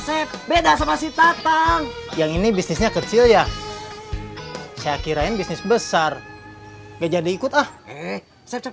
saya beda sama si tatang yang ini bisnisnya kecil ya saya kirain bisnis besar gajah diikut ah eh